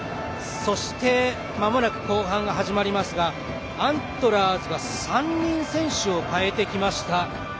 そして、まもなく後半が始まりますがアントラーズが３人、選手を代えてきました。